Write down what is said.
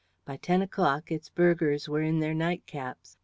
By ten o'clock its burghers were in their night caps.